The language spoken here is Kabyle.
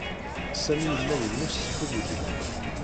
Sami yella yemmut seg tuggdi.